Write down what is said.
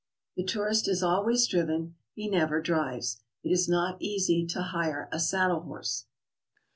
The tourist is always driven; he never drives. It is not easy to hire a saddle horse.